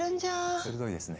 鋭いですね。